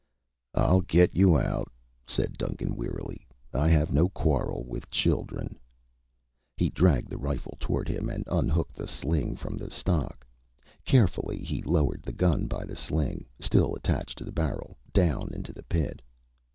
"I'll get you out," said Duncan wearily. "I have no quarrel with children." He dragged the rifle toward him and unhooked the sling from the stock. Carefully he lowered the gun by the sling, still attached to the barrel, down into the pit.